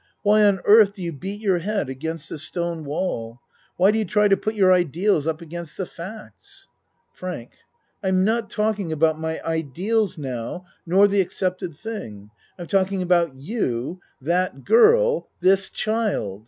Why on earth do you beat your head against a stone wall ? Why do you try to put your ideals up against the facts? FRANK I'm not talking about my ideals now, nor the accepted thing. I'm talking about you, that girl, this child.